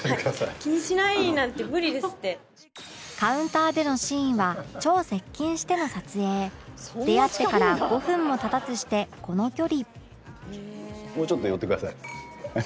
カウンターでのシーンは出会ってから５分も経たずしてこの距離